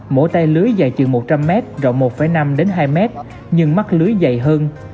mỗi tay lưới dài chừng một trăm linh m rộng một năm đến hai mét nhưng mắt lưới dày hơn